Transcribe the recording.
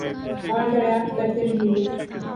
اوردریافت کرتے رہیں گے